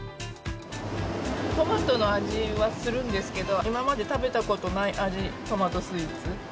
トマトの味はするんですけど、今まで食べたことない味のトマトスイーツ。